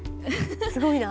すごいな。